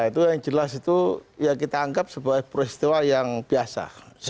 itu yang jelas itu ya kita anggap sebuah peristiwa yang biasa